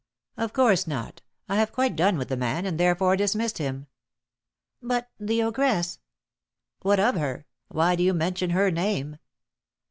"Of course not; I have quite done with the man, and therefore dismissed him." "But the ogress!" "What of her? Why do you mention her name?"